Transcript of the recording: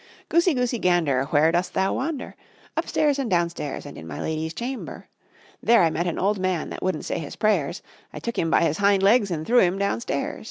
Goosey, goosey, gander, where dost thou wander? Upstairs and downstairs and in my lady's chamber; There I met an old man that wouldn't say his prayers, I took him by his hind legs and threw him downstairs.